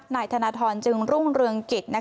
นายธนทรจึงรุ่งเรืองกิจ